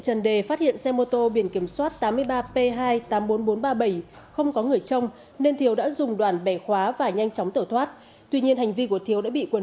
chúng tôi sẽ tiếp tục thông tin trong những chương trình thời sự tiếp theo